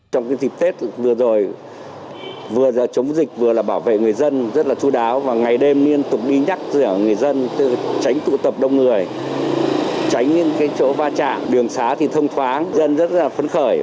trong dịp tết vừa rồi vừa chống dịch vừa là bảo vệ người dân rất là chú đáo và ngày đêm liên tục đi nhắc nhở người dân tự tránh tụ tập đông người tránh những chỗ va chạm đường xá thì thông thoáng dân rất là phấn khởi